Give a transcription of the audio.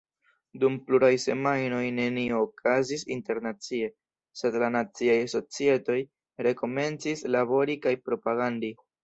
Dum pluraj semajnoj nenio okazis internacie, sed la naciaj societoj rekomencis labori kaj propagandi.